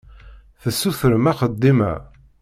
Tessutrem axeddim-a.